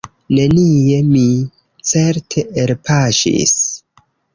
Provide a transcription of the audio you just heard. Nenie mi, certe, elpaŝis.